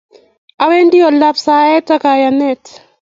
awendi oldab saet ak kayanet